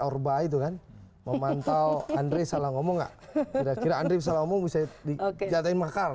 orba itu kan memantau andre salah ngomong nggak kira kira andre bisa ngomong bisa dijatuhin makar